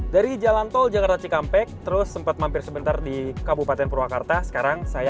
dari jalan tol jakarta cikampek terus sempat mampir sebentar di kabupaten purwakarta sekarang saya